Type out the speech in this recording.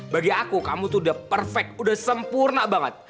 bagi aku kamu tuh udah perfect udah sempurna banget